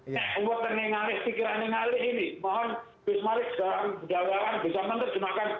nek uat nengengalih pikiranengalih ini mohon bismillahirrahmanirrahim bisa menutup makan